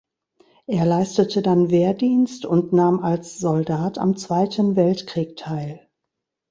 Er leistete dann Wehrdienst und nahm als Soldat am Zweiten Weltkrieg teil.